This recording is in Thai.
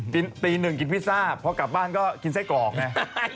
ตีหนึ่งกินพิซซ่าพอกลับบ้านก็กินไส้กรอกไง